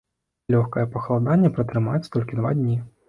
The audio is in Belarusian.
Лёгкае пахаладанне пратрымаецца толькі два дні.